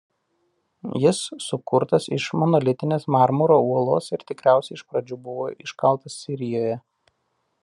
Jis sukurtas iš monolitinės marmuro uolos ir tikriausiai iš pradžių buvo iškaltas Sirijoje.